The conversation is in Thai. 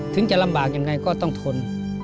ถึงจะลำบากยังไงก็ต้องทน